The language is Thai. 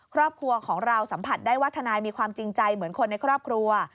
ครอบครัวของเราสัมผัสได้ว่าทนายมีความจริงใจเหมือนคนในครอบครัว